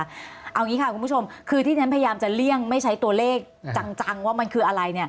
เอาอย่างนี้ค่ะคุณผู้ชมคือที่ฉันพยายามจะเลี่ยงไม่ใช้ตัวเลขจังว่ามันคืออะไร